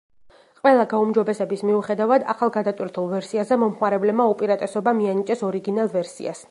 ყველა გაუმჯობესების მიუხედავად ახალ გადატვირთულ ვერსიაზე, მომხმარებლებმა უპირატესობა მიანიჭეს ორიგინალ ვერსიას.